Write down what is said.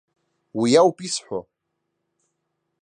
Уи ауп исҳәо.